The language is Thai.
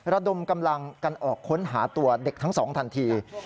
ระดมกำลังกันออกค้นหาตัวเด็กทั้งสองทันที